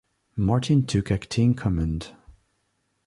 Martin took acting command.